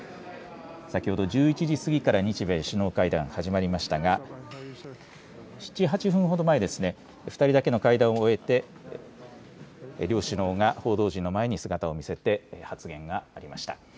先ほど１１時過ぎから日米首脳会談、始まりましたが７、８分ほど前ですね、２人だけの会談を終えて両首脳が報道陣の前に姿を見せて発言がありました。